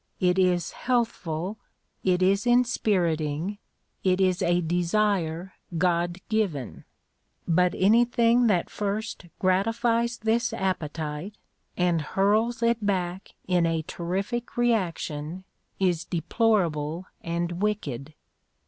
It is healthful. It is inspiriting. It is a desire God given. But anything that first gratifies this appetite and hurls it back in a terrific reaction is deplorable and wicked.